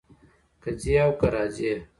کۀ ځي او کۀ راځي